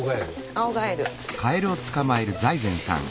アオガエル。